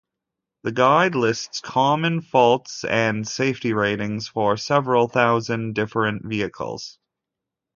The guide lists common faults and safety ratings for several thousand different vehicles.